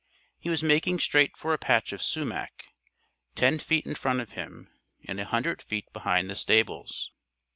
He was making straight for a patch of sumac, ten feet in front of him and a hundred feet behind the stables.